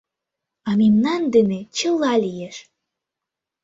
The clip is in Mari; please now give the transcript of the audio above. — А мемнан дене чыла лиеш.